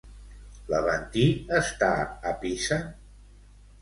L'Aventí està a Pisa?